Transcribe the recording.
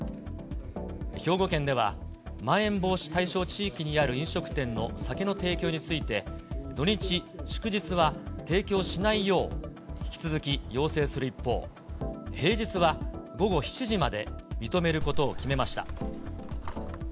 兵庫県では、まん延防止対象地域にある飲食店の酒の提供について、土日祝日は提供しないよう引き続き要請する一方、平日は午後７時まで認めることを決めました。